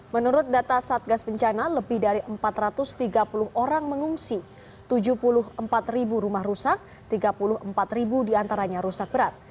menurut data satgas bencana lebih dari empat ratus tiga puluh orang mengungsi tujuh puluh empat ribu rumah rusak tiga puluh empat ribu diantaranya rusak berat